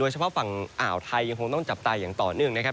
เฉพาะฝั่งอ่าวไทยยังคงต้องจับตาอย่างต่อเนื่องนะครับ